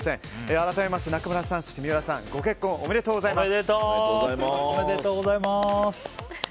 改めまして中村さん、水卜さんご結婚おめでとうございます。